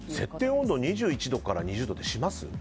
温度２１度から２０度ってします？